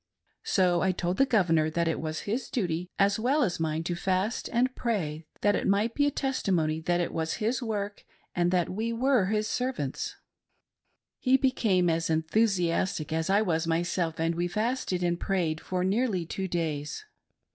So I told the Governor that it was his duty, as well as mine, to fast and pray that the Lord might grant us this bless ing, that it might be a testimony that it was His work and that we were His servants. He became as enthusiastic as I was myself, and we fasted and prayed for nearly two days.